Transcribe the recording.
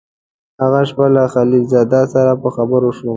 هغه شپه له خلیل زاده سره په خبرو شوم.